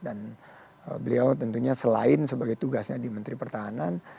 dan beliau tentunya selain sebagai tugasnya di menteri pertahanan